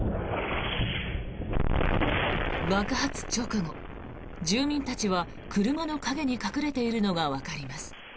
爆発直後、住民たちは車の陰に隠れているのがわかります。